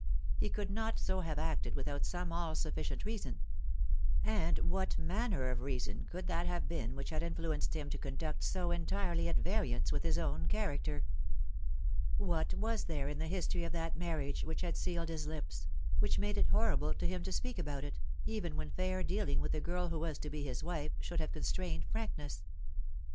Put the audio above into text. He could not so have acted without some all suffi cient reason : and what manner of reason could that have been 100 The Fatal Three. which had influenced him to conduct so entirely at variance with his own character ? What was there in the history of that marriage which had sealed his lips, which made it horrible to him to speak about it, even when fair dealing with the girl who was to be his wife should have constrained frankness